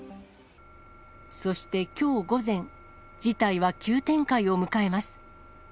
そしてきょう午前、事態は急展開を迎えます。